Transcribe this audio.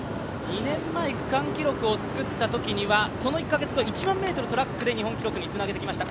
２年前区間記録を作ったときにはその１か月後、１００００ｍトラックで日本につなげてきました。